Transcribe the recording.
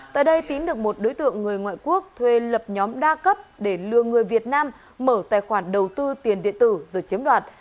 tại đây tín được một đối tượng người ngoại quốc thuê lập nhóm đa cấp để lừa người việt nam mở tài khoản đầu tư tiền điện tử rồi chiếm đoạt